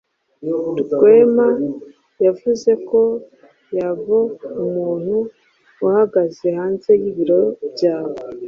Rwema yavuze ko yaboe umuntu uhagaze hanze y'ibiro byawe.